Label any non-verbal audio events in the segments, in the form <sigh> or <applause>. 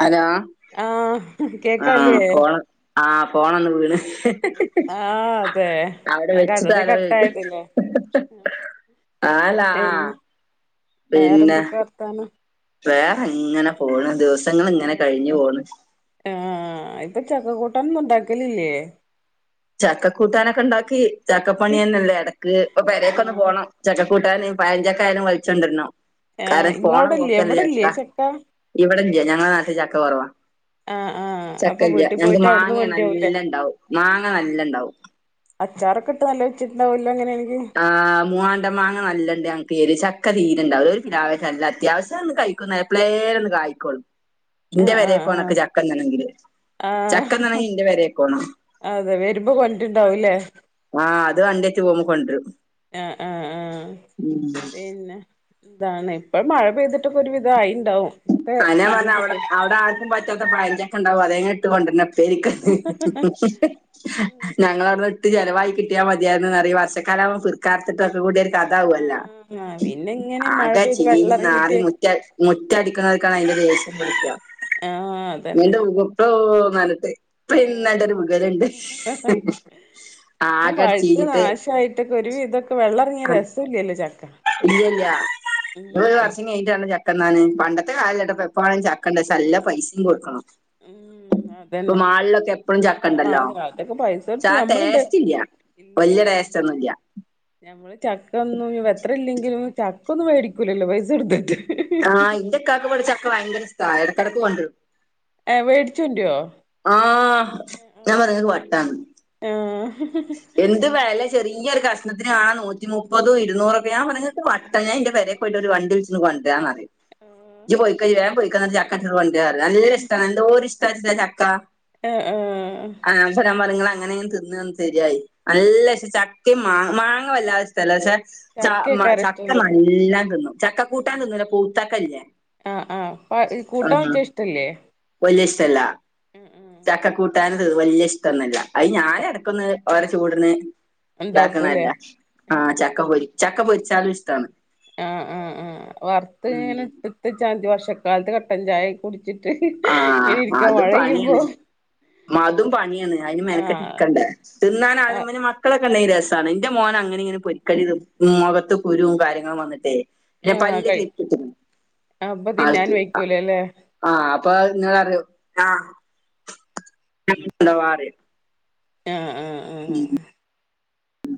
Hello ആഹ് കേക്കാല്ലേ ആഹ് കോള്. ആഹ് ഫോണൊന്ന് വീണ്. ആഹ് അതെ അവിടെ ആ കറണ്ട് വെച്ചിട്ടാലോ ചോയിക്കാ കട്ടായതല്ലേ. ആ അല്ല ആഹ് വേറെന്തൊക്കെ വർത്താനം. വേറെങ്ങനെ പോണ് ദിവസങ്ങള്ങ്ങനെ കഴിഞ്ഞു പോണ്. ആഹ് ഇപ്പൊ ചക്ക കൂട്ടാനൊന്നും ഉണ്ടാക്കലില്ലേ. ചക്കക്കൂട്ടാനൊക്കെണ്ടാക്കി ചക്കപ്പണി തന്നെല്ലേ എടക്ക് പ്പൊ പെരേക്കൊന്ന് ആഹ് പോണം. ചക്ക കൂട്ടാനും പയഞ്ചക്കായാലും വൽച്ചൊണ്ടരണം ആഹ് കാരണം പോണ ഇങ്ങളോടല്ലേ പോക്കല്ലേ ഇവിടല്ലേ ചക്ക. ഇവിടെല്യ ഞങ്ങള നാട്ടിൽ ചക്ക കൊറവാ. ആഹ് ആഹ് അപ്പൊ ചക്കല്യ വീട്ടിൽ ഞങ്ങക്ക് പോയിട്ട് അവിടുന്ന് മാങ്ങേ കൊണ്ടരാവൂല്ലേ നല്ലണ്ടാവും മാങ്ങ നല്ലണ്ടാവും. അച്ചാറക്കെട്ട് നല്ല വെച്ച്ട്ട്ണ്ടാവല്ലോങ്ങനേയാണെങ്കി. ആഹ് മൂവാണ്ടൻ മാങ്ങ നല്ലണ്ട് ഞങ്ങക്കീരി ചക്ക തീരുണ്ടാവൂല ഒരു പിലാവച്ചല്ലത്യാവശ്യം കഴി ക്കൊന്നെപ്പളേലൊന്ന് കായിക്കൊള്ളൂ. <inaudible> ഇന്റെ ആഹ് പേരേക്കോണക്ക് ആഹ് ചക്കന്നണെങ്കില്. ആഹ് ചക്കന്നണെങ്കി ഇന്റെ പെരേക്കോണം അതെ വരുമ്പോ കൊണ്ട്ര്ണ്ടാവൂലെ. ആഹ് അത് വന്നിട്ട് പോവുമ്പൊ കൊണ്ടരും. ആഹ്, ആഹ്, ആഹ്. ഉം പിന്നെ താണ് ഇപ്പ മഴ പെയ്തിട്ടക്കൊരു വിധായിണ്ടാവും. അയെന്നേ ഞാൻ പർഞ്ഞ അവടെ അവടാ. പറ്റാത്ത പഴഞ്ചക്കണ്ടാവും അതെങ്ങിലും ഇട്ട് കൊണ്ടര്നപ്പേരിക്ക്. ഞങ്ങളടുന്ന്ട്ട് ചെലവായി കിട്ടിയാ മതിയാർന്നുന്നറിം ഈ വർഷക്കാലാ വുമ്പോ പേർ കർത്തിട്ടൊക്കെ കൂടിയൊരു കഥാവല്ലോ ആഹ് പിന്നെ ഇങ്ങനെ മഴ ആകെ പെയ്ത് വെള്ളം ചീഞ്ഞ് നാറി ഇറങ്ങിട്ട് മുറ്റ മുറ്റടിക്ക്ണോൽക്കാണ് അയ്ന്റെ വേസ്റ്റ് കിട്ട ആഹ് അതന്നെ അന്റെ <unintelligible> ന്നർഞ്ഞ്ട്ട് ആഹ് പിന്നണ്ടൊരു വുഗല്ണ്ട്. പിന്നെ പഴുത്ത് നാശായിട്ടൊക്കെ ഒരു വിതൊക്കെ വെള്ളറങ്ങിയാ രസോല്ലല്ലോ ചക്കാ ഇല്ല ഇല്ല്യാ ഇനി ഒരു വർഷം കഴിഞ്ഞിട്ട് വേണം ചക്ക തിന്നാന് പണ്ടത് ട്ട് കാര്യല്ലെട്ടാ ഇപ്പ വേണേലും ചക്കണ്ട് പക്ഷേ നല്ല പൈസീം കൊട്ക്കണം ഉം ഇപ്പൊ അതന്നെ മാളിലൊക്കെ എപ്പളും ചക്കണ്ടല്ലോ ആഹ് അതൊക്കെ പൈസ കൊടുത്ത് ചാ നമ്മളുണ്ട് ടേസ്റ്റില്ലാ ഇല്ല വല്യ അതന്നെ ടേസ്റ്റൊന്നും ഇല്ലാ ഞമ്മള് ചക്കൊന്നും ഇനിപ്പ എത്ര ഇല്ലെങ്കിലും ചക്കൊന്നും വേടിക്കൂലല്ലോ പൈസ കൊട്ത്തിട്ട് ആഹ് ഇന്റെ ഇക്കാക്ക് ഇവടെ ചക്ക ഭയങ്കരിഷ്ട്ടാ എടക്കെടക്ക് കൊണ്ടെരും ഏഹ് വേടിച്ച് കൊണ്ടരോ? ആഹ് ഞാൻ പറയും ഇങ്ങക്ക് വട്ടാന്ന് ആഹ് എന്ത് വെലേ ചെറിയ ഒരു കഷ്ണത്തിനാ നൂറ്റി മുപ്പതൂ ഇരുന്നൂറൊക്കെ ഞാൻ പറഞ്ഞ് ഇങ്ങക്ക് വട്ടാ ഞാൻ ഇന്റെ പെരെ പോയിട്ടൊരു വണ്ടി വിളിച്ച്ണ്ണ് കൊണ്ടെരാന്ന് പറിം ഇജ്ജ്‌ പൊയ്ക്കോ ഇജ്ജ്‌ വേം പൊയ്ക്കോ ഇന്നട്ട് ചക് ക്കങ്ങട്ട് കൊണ്ടെരാ പറിം നല്ലയിഷ്ട്ടാണ് എന്തോരിഷ്ട്ടാച്ച്ട്ടാ ചക്കാ ആഹ് ആഹ് ആഹ് പക്ഷേ ഞാൻ പറിം ഇങ്ങളെങ്ങനെ തിന്ന് ഒന്ന് ശരിയായി നല്ലയിഷ്ട്ടാ ചക് ക്കേം മാങ് മാങ്ങ വല്ലാതിഷ് ഷ്ട്ടല്ലാ പക്ഷെ ച മ ചക്കയ്ക്കാരം ചക്ക ഇഷ്ടല്ലേ നല്ലം തിന്നും ചക്ക കൂട്ടാൻ തിന്നൂലാ പൗത്തക്കല്ലേ? ആഹ് ആഹ് പ കൂട്ടാൻ വെച്ചാഷ്ട്ടല്ലേ വല്യഷ്ട്ടല്ലാ ചക്ക കൂട്ടാന് തി വല്യ ഇഷ്ടൊന്നുല്ലാ അത് ഞാനെട ഓരോ ചൂടിന് ഉണ്ടാക്കൂലേ ഇണ്ടാക്കണല്ലേ ആഹ് ചക്ക പൊരി ചക്ക പൊരിച്ചാലും ഇഷ്ട്ടാണ് ആഹ് ആഹ് ആഹ് ഉം വർത്ത്ങ്ങനെ എട് എട്ത്തെച്ചാതി വർഷക്കാലത്ത് കട്ടൻ ചായെക്കെ കുടി ച്ചിട്ട് ആഹ് ഇങ്ങനിരിക്കാ മഴ പെയ്യുമ്പോ മതും പണിയാണ് അയിന് ആ മെനക്കെട്ട്ക്കണ്ടേ തിന്നാന് ആ <unintelligible> മക്കളൊക്കെ ഇണ്ടെങ്കി രസാണ് ഇന്റെ മോനങ്ങനിങ്ങനി പൊരിക്കടി ത് മുഖത്ത് കുരുവും കാര്യങ്ങളും വന്നിട്ടേ ൻ്റെ ആ പല്ല് കഴി ക്ലിപ്പ്ട്ട്ക്ക്ണ് അപ്പൊ <unintelligible> തിന്നാൻ വയ്ക്കൂലല്ലേ ആഹ് ആഹ് അപ്പ അത് ഇങ്ങളറിയും ആഹ് <unintelligible> അറിയും ആഹ് ആഹ് ഉം ഉം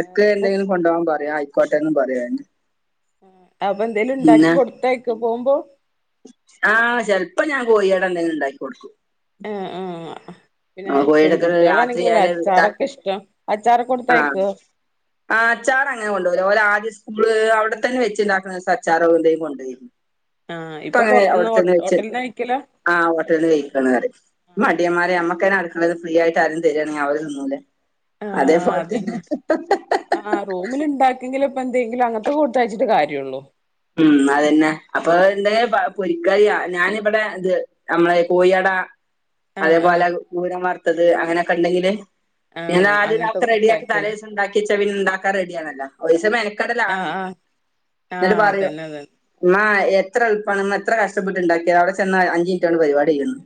ആ വേറെന്താ എന്തെങ്കിലും കൊണ്ടോവാൻ പറയും ആയിക്കോട്ടേന്നും പറയും അതെന്നെ ആഹ് അപ്പൊ എന്തേലും ഇണ്ടാക്കി കൊടുത്തയക്കോ പോകുമ്പോ ആഹ് ചെലപ്പം ഞാൻ കോയി അട എന്തെങ്കിലും ഇണ്ടാക്കി കൊടുക്കും ആഹ് ആഹ് പിന്നെ ആ കോഴിയുടെ രാത്രി പെൺകുട്ടികളാണെങ്കിലല്ലേ ആയാല് ത- അച്ചാറൊക്കെ ഇഷ്ട്ടം അച്ചാറൊക്കെ കൊടുത്തയക്കോ? ആഹ് അച്ചാറങ്ങനെ കൊണ്ടോവൂല്ലാ ഓലാദ്യം സ്കൂള് അവിടെത്തന്നെ വെച്ച്ണ്ടാക്കണ ദിവസം അച്ചാറോ എന്തെങ്കും കൊണ്ടോയി ആഹ് ഇപ്പൊ പൊറത്ത്ന്ന് ഹോട് ഹോട്ടൽന്നാ കഴിക്കലാ? ആഹ് ഹോട്ടൽന്ന് കഴിക്കാണ് പറയും ഈ മടിയന്മാരെ നമ്മ <unintelligible> ഫ്രീ ആയിട്ട് ആരേം തെരാണെ അവര് തിന്നൂലേ അതേപോലെ തന്നെ ആഹ് റൂമില്ണ്ടാക്കെങ്കില് ഇപ്പ എന്തെങ്കിലും അങ്ങൻത്തെ കൊടുത്തയച്ചിട്ട് കാര്യം ഇള്ളൂ ഉം അതന്നെ അപ്പൊ എന്തെ പൊരിക്കറിയാ ഞാനിവിടെ ഇത് നമ്മളെ കോയി അട ആ ആ അതേപോലെ ഊരം വറുത്തത് അങ്ങനെയൊക്കെ ഇണ്ടെങ്കില് ആ പിന്നെ നാല് അങ്ങനത്തെ അതൊക്കെ റെഡിയാക്കി കൊടുത്തയക്കൂല തലേസം ഇണ്ടാക്കിയെച്ചാ പിന്നെ ഇണ്ടാക്കാൻ റെഡിയാണല്ലോ ഒരീസം മെനക്കെടലാണ് <unintelligible> തെന്നെ <unintelligible> ഉമ്മ എത്ര എളുപ്പാണ് ഉമ്മ എത്ര കഷ്ട്ടപ്പെട്ട് ഇണ്ടാക്കിയെതാ അവിടെ ചെന്നാ അഞ്ച് കൊണ്ട് പരിപാടി കഴിയുംന്ന്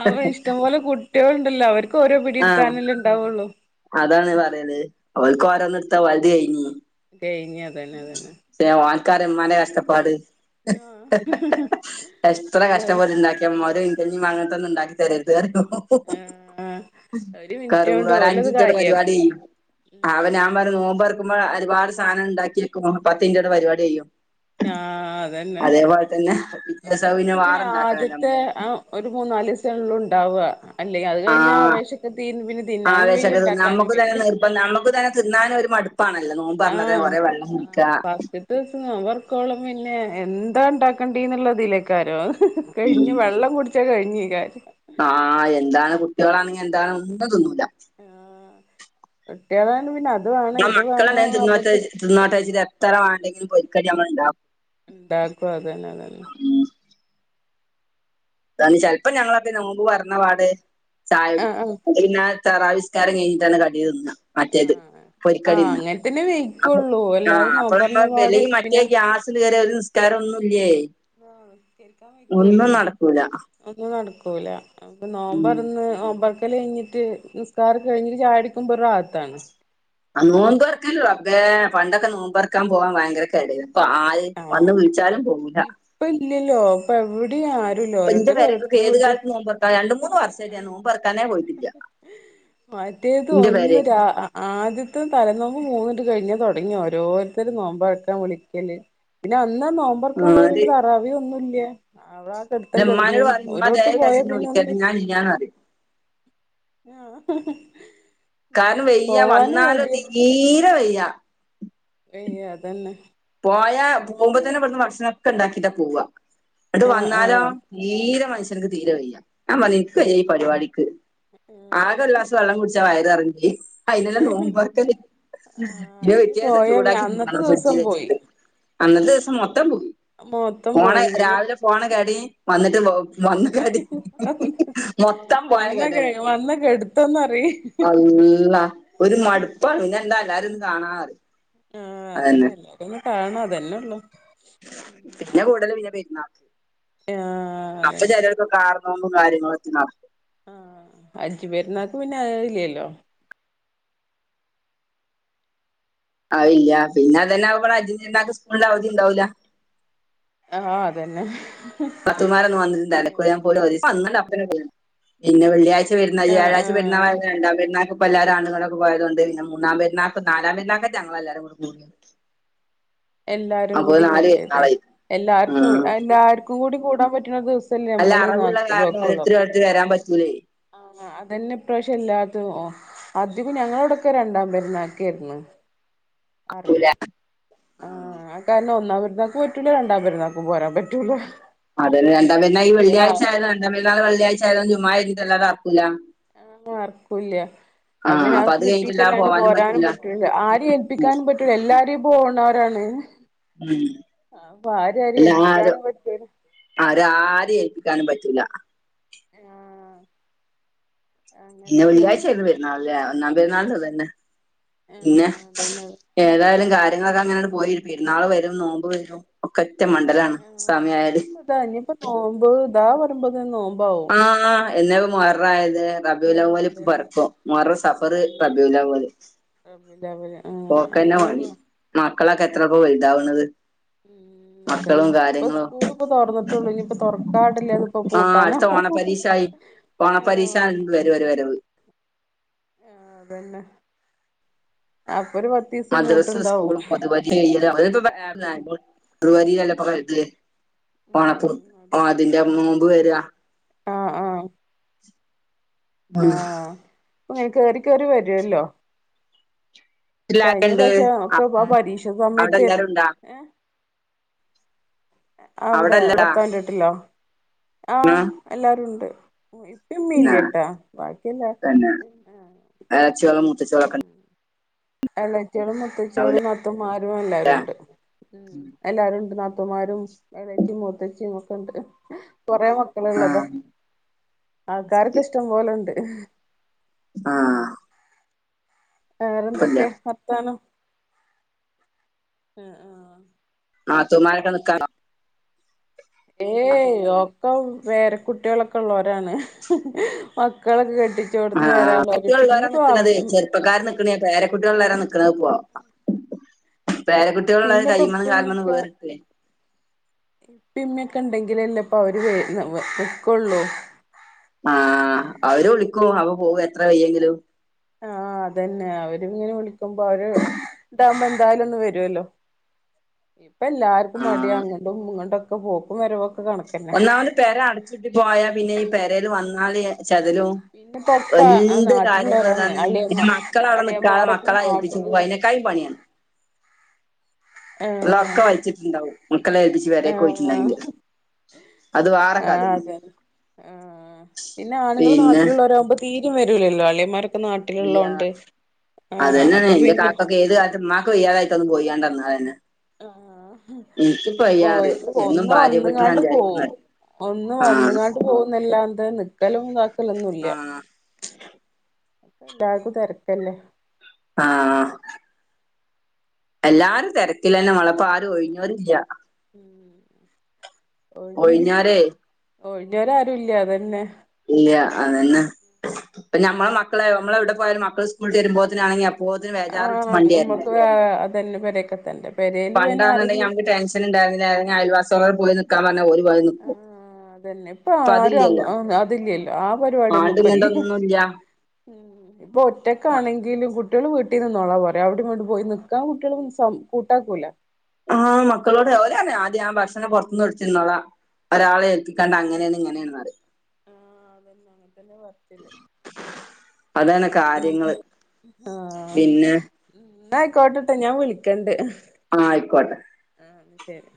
അപ്പോ ഇഷ്ട്ടം പോലെ കുട്ട്യോള് ഉണ്ടല്ലോ അവർക്ക് ഓരോ പിടി ആഹ് എടുക്കാനല്ലേ ണ്ടാവൊള്ളൂ അതാണ് പറയല് ഓൽക്ക് ഓരോന്ന്ട്ത്താ ഓൽത് കയ്ഞ്ഞീ കഴിഞ്ഞ് അതന്നെ അതന്നെ പക്ഷേ ഓൻക്കറിയ ഇമ്മാന്റെ കഷ്ട്ടപ്പാട് ആഹ് എത്ര അത് കഷ്ട്ടപ്പെട്ട് ണ്ടാക്കിയ ഇമ്മാര് ഇഞ്ഞി മ്മാ അങ്ങൻത്തൊന്നും ണ്ടാക്കി തരര്ത് റിം ആഹ് ഒരു കറുമുറു മിനിറ്റോണ്ട് ഒര ഓലത് അഞ്ചിൻറ്റോണ്ട് കാലിയാക്കും പരിവാടിയ്യും അവനാൻ പറയും നോമ്പർക്കുമ്പോ ഒരുപാട് സാനംണ്ടാക്ക്യക്കും പത്തിൻറ്റോണ്ട് പരിവാടി യ്യും ആ അതന്നെ പിറ്റേ ദിവസം നോമ്പ്ന് പ്പൊ പിന്നെ വേറെണ്ടാക്കണല്ലോ ആദ്യത്തെ നമ്മള് ആ ഒരു മൂന്ന് നാലീസേള്ളൂ ണ്ടാവാ അല്ലെയ് അത് കഴിഞ്ഞാ ആഹ് ആവേശൊക്കെ തീര്ന്ന് പിന്നെ തിന്നാനും വയ്യ ണ്ടാക്കാനും വയ്യ അപ്പൊ നമുക്കും തന്നെ തിന്നാനും ഒരു മടുപ്പാണല്ലോ നോമ്പർന്നതേ കൊറേ വെള്ളം കുടിക്കാ കൊർച്ച് ദിവസം നൊമ്പർക്കോളം പിന്നെ എന്താ ണ്ടാക്കണ്ടിന്നുള്ളതിലേക്കാരം കഴിഞ്ഞ് വെള്ളം കുടിച്ചാ കഴിഞ്ഞ് ഈ കാര്യം ആ എന്താണ് കുട്ട്യേളാണെങ്കി എന്താണ് ഒന്നും തിന്നൂല ആ കുട്ട്യേളാണ് പിന്നെ അത് വേണ ഇത് വേണന്നും പർഞ്ഞിട്ട് തിന്നോട്ടേച്ച്ട്ട് എത്ര വാണ്ടെങ്കിലും പൊരിക്കടി നമ്മള് ണ്ടാക്കും ണ്ടാക്കും അതന്നെ അതന്നെ അതാണ് ചെൽപ്പോ ഞങ്ങളൊക്കെ നോമ്പ് പർന്നപാട് ആഹ് ചായുടിക്കും ആഹ് ന്ന്ട്ട് പിന്നെ തറാവീഹ്സ്കാരം കഴിഞ്ഞിട്ടാണ് കടി തിന്നാ മറ്റേത് ആഹ് ആഹ് പൊരിക്കടിന്ന അങ്ങനെ തന്നെ അപ്പൊ വെയ്ക്കുള്ളൂ ആ അല്ലാതെ അപ്പൊ നോമ്പറന്നപാട് <unintelligible> മറ്റേ പിന്നെ ഗ്യാസ് ണ്ട് കേറിയ ഒരു നിസ്കാരം ഒന്നും ല്ല്യേയ് <unintelligible> ക്കൂലേ അപ്പൊ നട്ക്കൂല അപ്പൊ ഉം നോമ്പർന്ന് നോമ്പർക്കലയ്ഞ്ഞ്ട്ട് നിസ്കാരം കഴിഞ്ഞ് ഒര് ചായുടിക്കുമ്പൊ ഒരു റാഹത്താണ് ആ നോമ്പർക്കല് റബ്ബേ പണ്ടൊക്കെ നോമ്പർക്കാൻ പോകാൻ ഭയങ്കര കെടേയ്ന്നു ഇപ്പൊ ആര് ആഹ് വന്ന് വിൾച്ചാലും പോവൂല ഇപ്പ ഇല്ലല്ലോ ഇപ്പ എവിടെയും ആരുല്ല ഇന്റെ ഓരോരുത്തര് പെരേക്കൊക്കെ ഓരോരുത്തരെ ഏത് വീട്ട് കാൽത്ത് നോമ്പർ രണ്ട് മൂന്ന് വർഷായിട്ട് ആഹ് ഞാൻ നോമ്പർക്കാനേ പോയ്റ്റ്ല്ല്യ മറ്റേത് ന്റെ ഒന്ന് രാ പെരേക്ക് ആദ്യത്തെ തലൽ നോമ്പ് മൂന്ന്ട്ട് കഴിഞ്ഞ തൊട്ങ്ങി ഓരോര്ത്തര് നോമ്പറക്കാൻ വിളിക്കല് പിന്നെ അന്നാ നോമ്പറക്കാൻ പോയ അത് പിന്നെ തറാവീഹ് ഒന്നും ല്ല്യാ അവ്ടാ കെട്ത്തം ന്റെമ്മാനോട് കെട്ന്ന് ഒരോട്ത്ത് പോയാ പിന്നെ ഒന്ന് ഞാനും അതേ ആഹ് കാര്ണം വെയ്യ പോവാനും വന്നാലോ മടിയ തീരെ വെയ്യ വെയ്യ അതന്നെ പോയാ അന്നിട്ട് പോകുമ്പതന്നെ ഇവട്ന്ന് ഭക്ഷണൊക്കെ ണ്ടാക്കിട്ടാ പോവാ ന്ന്ട്ട് ആഹ് വന്നാലോ ആഹ് തീരെ മനുഷ്യൻക്ക് തീരെ വെയ്യാ ഞാൻ പർഞ്ഞ് ഇൻക്ക് വയ്യ വെയ്ക്കൂല ഈ പരിവാടിക്ക് ആഹ് ആകെ ഒര്ളാസ് വെള്ളം കുട്ച്ചാ വയര് നറയും ചെയ്യും അയ്നല്ലെ നോമ്പർക്കല് ആഹ് പിന്നെ അയിന് പിറ്റേസം പോയ ചൂടാക്കി അന്നത്തെ തിന്നണം ദിവസം ഫ്രിഡ്ജിൽ വെച്ച് പോയി അന്നത്തെ ദിവസം മൊത്തം പോയി മൊത്തം പോണ പോയി രാവിലെ പോണ കെടീം വന്ന്ട്ട് വന്ന കെടിം പിന്നെ മൊത്തം പോയ വന്ന കെ കെടേണ് വന്ന <unintelligible> അള്ളാ ഒരു മടുപ്പാണ് പിന്നെ എന്താ എല്ലാരിം ഒന്ന് കാണാറയും ആ അതന്നെ എല്ലാരേം ഒന്ന് കാണാ അതന്നെ ഉള്ളൂ പിന്നെ കൂടല് പിന്നെ പെര്ന്നാക്ക് ആഹ് അപ്പൊ ചെലോൽക്കൊക്കെ ആർ നോമ്പും കാര്യങ്ങളൊ <unintelligible> ആഹ് അജ്ജ് പെരുന്നാക്ക് പിന്നെ അത് ഇല്ലല്ലോ അത് ഇല്ല പിന്നെ അതന്നെ ബാള് അജ്ജ്ന്റെ ര്ന്നാക്ക് സ്കൂളിന്റെ അവധി ണ്ടാവൂല്ല ആഹ് അതന്നെ നാത്തൂമാരൊന്ന് വന്ന്ണ്ടാക്കോ ഞാൻ പോയി ഒരീസം വന്ന് അപ്പന പോയി പിന്നെ വെള്ളിയാഴ്ച വരുന്ന ആഹ് വ്യാഴാഴ്ച പേ ആഹ് പെരുന്നാൾ രണ്ടാം പെുന്നാക്ക് ഇപ്പം എല്ലാരും ആണ്ട്ങ്ങട്ടൊക്ക പോയതോണ്ട് പിന്ന മൂന്നാം പരുന്നാക് നാലാം പെരുന്നാക്കറ്റേ ഞങ്ങളല്ലാരും കൂടി എല്ലാരും അപ്പൊ കൂടി നാല് കൂടിയത് പെരുന്നാളായി എല്ലര്ക്കും ഉം എല്ലാര്ക്കുകൂടി കൂടാൻ പറ്റ്ണ ദിവസം ഇപ്പല്ലേ അല്ല മ്മള് അറിവുള്ള നാല്പത് കാരണം ഒക്കെ ഓരോരുത്തര് ഒഴിവാക്കും ഓരോരുത്തര് വരാൻ പറ്റൂലേ ആഹ് അതന്നെ ഇപ്രാവശ്യം എല്ലാതും അതികം ഞങ്ങളോടൊക്കെ രണ്ടാം പരുന്നാക്കേര്ന്ന് എത്തൂല ആഹ് കാരണം ഒന്നാ പരുന്നാക്കു പറ്റൂല രണ്ടാം പരുന്നാക്കു പോരാൻ പറ്റൂല അതന്നേ രണ്ടാ പെരുന്നാ ഈ വെള്ളിയാഴ് ആയത് രണ്ടാ പെരുന്നാൾ വെള്ളിയഴ്ച ജുമായിഞ്ഞിട്ടല്ലാതെ അറക്കൂല ആഹ് അർക്കുല്യാ ആപിന്ന അപ്പൊ അതൊക്കെ അത് കഴിഞ്ഞിട്ടല്ലാതെ കിട്ടിയിട്ടല്ലാണ്ട് പോവാനും പോരാനും പറ്റൂല ആരേം ഏൽപ്പിക്കാനും പറ്റൂ എല്ലാരും ഈ പോണോരാണ് ഉം പ്പൊ ആരെ ആരേം ഏൽപ്പിക്കാനും പറ്റൂല ഒര ആരേം ഏൽപ്പിക്കാനും പറ്റൂല ആഹ് പിന്നെ അങ്ങനൊക്കെയാണ് വെള്ളിയാഴ്ച ആയിരുന്നു പെരുന്നാൾ ല്ലേ ഒന്നാം പെരുന്നാള്ന് ഇതന്നെ പിന്നെ ആഹ് അതന്നെ ഏതായാലും കാര്യങ്ങളൊക്കെ അങ്ങനാണ്ട് പോയി പെരുന്നാള് വരും നോമ്പ് വരും ഒക്കറ്റ മണ്ഡലാണ് ആഹ് സമയആയാല് ഇനിയിപ്പ ഇതാ ഇനിയിപ്പോ നോബ് ഇതാ പറീമ്പോതിനും നോമ്പാവും ആഹ് എന്നേപ്പോ മുഹറായത് ആഹ് റബിൽഅവ്വൽല് പ്പൊ അതന്നെ പറക്കും മുഹറം സഫർ സഫർ റാബിൽഅവ്വൽ റമ്പിൽഅവ്വല് ആഹ് അങ്ങന പണി മക്കളൊക്കെ എത്രൾപ്പം വൽതാവുന്നത് ഉം അതന്നെ മക്കളുംകാ ഇപ്പൊ സ്കൂൾ ഇപ്പൊ തോറന്നിട്ടുള്ളൂ ഇനി ഇപ്പൊ തുറക്കാടല്ല അതിപ്പൊ പൂട്ടാനാകും ഓണ പരീക്ഷആയി ഓണ പരീക്ഷ ആവുമ്പളെ ഒര് വരവ് ആഹ് അതന്നെ അപ്പോ ഒരു കോയ മദ്രസും സ്കൂളും പൊതുപരീക്ഷ കയ്യലും അപ്പോ പൊതുപരീക്ഷ ല്ലേ പ്പൊ കഴിഞ്ഞെ ഓണത്തൂ ഉം ഓ അതെ ണത്തിന്റെ മുമ്പ് വരാ ആഹ് ആഹ് <unintelligible> ആഹ് ഇങ്ങനെ കേറി കേറി വരുല്ലോ കഴിഞ്ഞ എല്ലാരുണ്ട് പ്രാവശ്യം ഒക്കെ അവിടെ പരീക്ഷ അവിടെ സമയത്തേര്ന്നു എല്ലാരും ഉണ്ടാ ഏഹ് അവിടെ അവിടെല്ലടാ ഭർത്താവിന്റെ വീട്ടിലോ ആഹ് എല്ലാരും ഉണ്ട് മ്മി പിന്നെ ഇല്ല ട്ടാ ബാക്കിയെല്ല പിന്നെ <unintelligible> എള്ളച്ചോളും മുത്തച്ചോളും നാത്തുമാരും ഉണ്ടല്ലേ എല്ലാരുണ്ട് ഉ എല്ലാരും ഉണ്ട് നാത്തൂമാരും എളച്ചും മൂത്തച്ചിയും ഒക്കെ ഉണ്ട് കൊറേ മ ക്കാള് ള്ളതാ ആഹ് ശരി ആൾക്കാരൊക്ക ഇഷ്ടം പോലെണ്ട് ആഹ് കുഴപ്പല്ല വേറെന്തൊക്കെ വർത്താനോ ആഹ് ആഹ് നാത്തുമാരൊക്കെ നിക്കോ ഏയ് ഒക്കെ പേര കുട്ട്യോളൊക്കെ ഉള്ളോ രാണ് മക്കളൊക്കെ കെട്ടിച്ചോടുത്ത് വരാനു ഉള്ളോര് പിന്നെ പ പ്പൊക്കാര് നിക്കണയ പേര കുട്ടികളുള്ളാര നിക്കണപ്പൊ പേര കുട്ടികളള്ള പിന്നെപ്പോ കൈമന്നും കാൽമന്നും വേറിട്ടല്ലേ ഇപ്പ ഇമ്മയൊക്കെ ഉണ്ടെങ്കിലല്ലേ ഇപ്പൊ അവര് വെ വെക്കുള്ളൂ ആഹ് അവര് വിളിക്കും അവ പോകു എത്ര വെയ്യെങ്കിലു ആഹ് അതെന്നെ അവര് ഇങ്ങനെ വിളിക്കുമ്പോ അവര് ഇതാവുമ്പോ എന്തായാലും ഒന്ന് വരുഅല്ലോ ഇപ്പൊ എല്ലാർക്കും മടിയ ആഹ് അങ്ങടും ഇങ്ങടും ഒക്കെ പോക്കും വരവക്കെ ഒന്നാമത് പേര അടച്ചിട്ട് പോയാ പിന്നെ ഈ പെരേല് വന്നാല് ചെതലും പിന്നെപ്പോ ഒക്കെ ആ എന്ത് കാര്യങ്ങള നാട്ടിലുള്ളവരാണ് ഇതാന്ന് അളിയമ്മ പിന്നെ മക്കള അവിടെ നിക്കാതെ അളിയന്മാരൊക്കെ മക്കള ഏൽപ്പിച് പോക നാട്ടിലുള്ള അതിക്കെ ക്കായും പണിയാണ് ഉള്ള ഏഹ് ഒക്ക വലിച്ചിട്ടുണ്ടാവും മക്കളെ ഏൽപിച്ചിട്ട് പെരേക്ക് പോയിട്ടിണ്ടെങ്കില് ആ അതെആ പിന്നെ ആണുങ്ങള് പിന്നെ നാട്ടിലുള്ളവരാകുമ്പോ തീരും വരുലല്ലോ അളിയമാര് ഇല്ല അത് തന്നെണ് അപ്പൊ എന്റെ പിന്നെ കാക്കൊക്കെ ഏത് കാലത്ത് ഉമ്മാക്ക് വയ്യാതായിട്ടൊന്ന പോയണ്ടന്ന് വന്നാല്തന്നെ ആ അപ്പൊ പറയും ഓരിക്ക് എന്നും ഒന്നു ഭാര്യ വീട്ടിലാണ് വന്നങ്ങാണ്ട് പോകും വിചാരിക്കുന്നത് ഒന്ന് ആഹ് വന്നങ്ങാണ്ട് പോകുന്നല്ലാന്ത്‌ നിക്കലുംതാക്കലൊന്നുംല്ല ആഹ് എല്ലാർക്കു തെരക്കല്ലേ ആഹ് എല്ലാരും തിരക്കിലന്നെ മോളെ ഇപ്പാരും ഒഴിഞ്ഞോരില്ല ഉം ഒഴിഞ്ഞോര് ഒഴിഞ്ഞോരേ ഒഴിഞ്ഞോരാരുല്ല അതെന്നെ ഇല്ല അതന്നെ ഇപ്പ നമ്മളെ മക്കളെ നമ്മള എവിടെ പോയാലും മക്കള് സ്കൂള് വിട്ട് വരുമ്പോത്തിനാണെങ്കിൽ പോതിന് വേജാറ് വിളിച്ച് ആഹ് വണ്ടി കേരണ്ടേ നമ്മക്ക് വേ അതന്നെ പെരേക്കത്തന്നെ പെരേല് പിന്നെ പണ്ടാന്നുണ്ടെങ്കി ആരെങ്കിലും നമക്ക് ടെൻഷ ൻ ഉണ്ടായിരുന്നില്ല അയൽവാസികളോട് പോയി നിക്കാ പറഞ്ഞ ഓല് പോയി നി ആഹ് അതെന്നെ ഇപ്പൊ ആരും അതില്ലല്ലോ ആ പരിപാടിയൊന്നും ആണ്ടും ഇപ്പല്ല ഇങ്ങണ്ടൊന്നുല്ല ഇപ്പൊ ഒറ്റക്കാണെങ്കിലും കുട്ട്യള് വീട്ടി നിന്നോളാം പറയും അവിടെവിടിം പോയി നിക്കാൻ കുട്ടികള് കൂട്ടാക്കൂല ആഹ് മക്കളോട് ഓര് ആദ്യം ആ ഭക്ഷണ പുറത്തത്ത്ന്ന് മേടിച്ചിന്നോളാ ഒരാളെ ഏൽപ്പിക്കണ്ട അങ്ങനെയാണ് ഇങ്ങനെയാണ് ന്ന് പറയും ആഹ് അതന്നെ അങ്ങനെ തന്നെ പറച്ചല് അതാണ് കാര്യങ്ങള് പിന്നെ അന്നായിക്കോട്ടിട്ടാ ഞാൻ വിളിക്കണ്ട് ആയിക്കോട്ടെ ആഹ് ശെരി